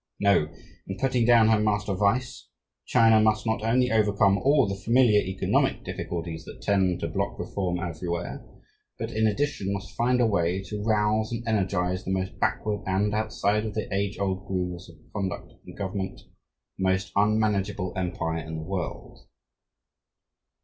No, in putting down her master vice, China must not only overcome all the familiar economic difficulties that tend to block reform everywhere, but, in addition, must find a way to rouse and energize the most backward and (outside of the age old grooves of conduct and government) the most unmanageable empire in the world.